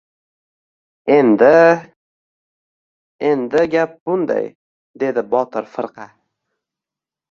— Endi... Endi, gap bunday, — dedi Botir firqa.